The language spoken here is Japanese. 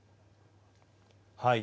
はい。